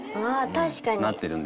確かに。